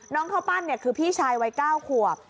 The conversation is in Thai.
น้องข้าวปั้นคือพี่ชายวัย๙ขวบ